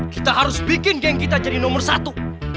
kita harus bikin geng kita jadi nomor satu